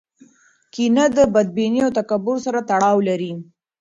کینه د بدبینۍ او تکبر سره تړاو لري.